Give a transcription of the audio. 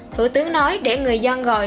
thủ tướng nói để người dân gọi